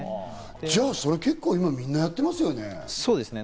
じゃあ、それ結構みんなやってますよね。